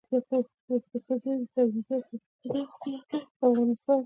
ټکنالوجي د روغتیا په برخه کې ژوند ژغوري.